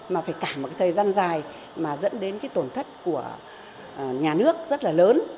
mà phải cả một cái thời gian dài mà dẫn đến cái tổn thất của nhà nước rất là lớn